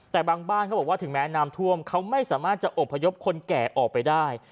แต่บางบ้านเขาบอกว่าถึงแม้น้ำท่วมเขาไม่สามารถจะอบพยพคนแก่ออกไปได้